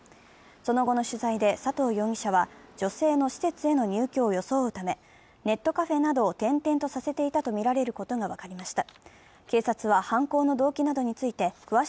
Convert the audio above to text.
その後の取材で佐藤容疑者は、女性の施設への入居を装うため、ネットカフェなどを転々とさせていたとみられることが分かりました。